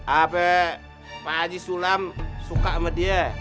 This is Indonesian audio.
apa pak haji sulam suka sama dia